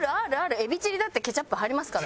エビチリだってケチャップ入りますから。